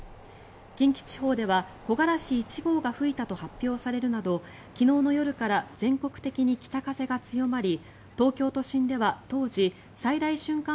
近畿地方では木枯らし一号が吹いたと発表されるなど昨日の夜から全国的に北風が強まり東京都心では当時最大瞬間